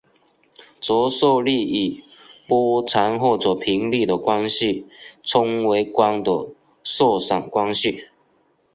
折射率与波长或者频率的关系称为光的色散关系。